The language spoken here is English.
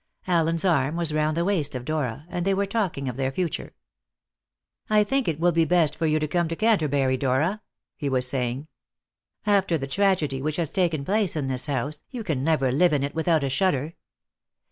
Allen's arm was round the waist of Dora, and they were talking of their future. "I think it will be best for you to come to Canterbury, Dora," he was saying. "After the tragedy which has taken place in this house, you can never live in it without a shudder.